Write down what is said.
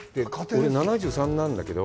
俺、７３なんだけど。